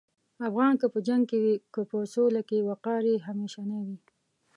افغان که په جنګ کې وي که په سولې کې، وقار یې همیشنی وي.